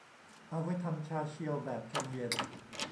เอาไว้ทำชาเชียวแบบชงเย็น